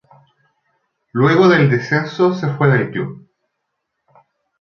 Luego del descenso se fue del club.